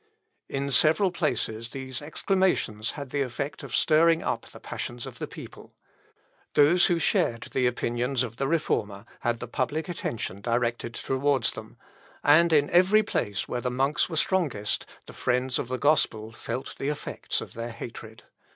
In several places these exclamations had the effect of stirring up the passions of the people. Those who shared the opinions of the Reformer had the public attention directed towards them; and in every place where the monks were strongest, the friends of the gospel felt the effects of their hatred.